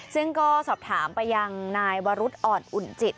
ซึ่งก็สอบถามไปยังนายวรุษอ่อนอุ่นจิต